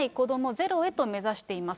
ゼロへと目指しています。